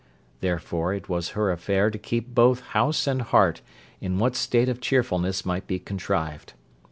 Therefore it was her affair to keep both house and heart in what state of cheerfulness might be contrived.